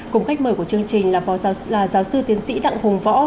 cùng khách mời của chương trình là phó giáo sư tiến sĩ đặng hùng võ